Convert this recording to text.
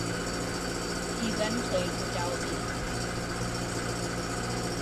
He then played for Dalziel.